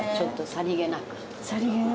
さりげなく。